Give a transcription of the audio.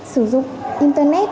sử dụng internet